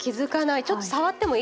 ちょっと触ってもいいですか？